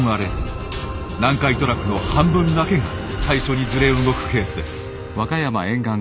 南海トラフの半分だけが最初にずれ動くケースです。